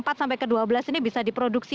adalah mau sudah pesan dengannot ki